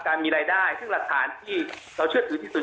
มีรายได้ซึ่งหลักฐานที่เราเชื่อถือที่สุด